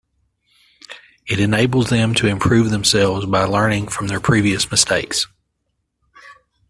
It enables them to improve themselves by learning from their previous mistakes.